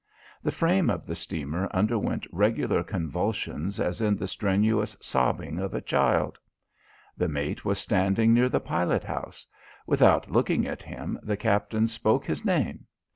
The frame of the steamer underwent regular convulsions as in the strenuous sobbing of a child. The mate was standing near the pilot house. Without looking at him, the captain spoke his name.